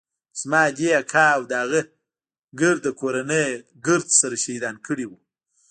زما ادې اکا او د هغه ګرده کورنۍ يې ګرد سره شهيدان کړي وو.